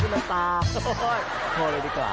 ห้าช่วยแมวตาโอ้ยโทรเลยดีกว่า